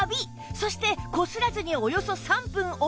そしてこすらずにおよそ３分置くだけで